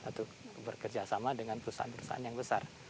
atau bekerja sama dengan perusahaan perusahaan yang besar